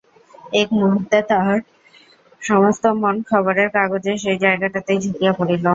এক মুহূর্তে তাহার সমস্ত মন খবরের কাগজের সেই জায়গাটাতেই ঝুঁকিয়া পড়িল।